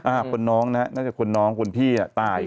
คนน้องนะน่าจะคนน้องคนพี่อ่ะตาย